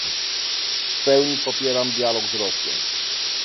W pełni popieram dialog z Rosją